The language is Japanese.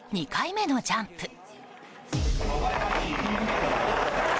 ２回目のジャンプ。